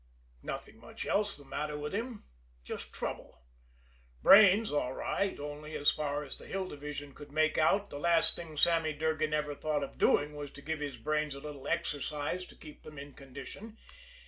Nothing much else the matter with him just trouble. Brains all right; only, as far as the Hill Division could make out, the last thing Sammy Durgan ever thought of doing was to give his brains a little exercise to keep them in condition.